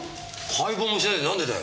解剖もしないでなんでだよ？